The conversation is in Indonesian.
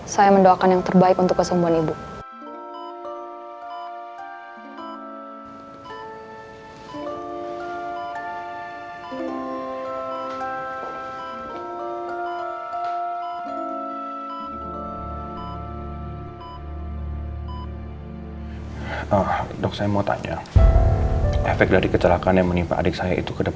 saya mendoakan yang terbaik untuk kesembuhan ibu